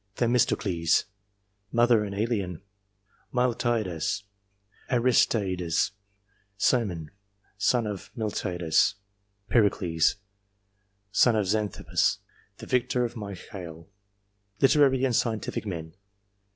Themistocles (mother an alien), Miltiades, Aristeides, Cimon (son of Miltiades), Pericles (son of Xanthippus, the victor at Mycale). Literary and Scientific Men.